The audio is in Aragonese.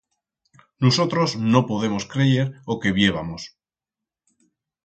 Nusotros no podemos creyer o que viébamos.